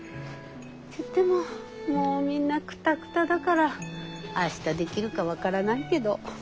といってももうみんなクタクタだから明日できるか分からないけど。